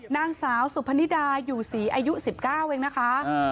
นางสาวสุพนิดาอยู่ศรีอายุ๑๙เองนะคะ